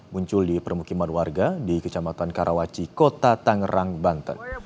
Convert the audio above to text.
muncul di permukiman warga di kecamatan karawaci kota tangerang banten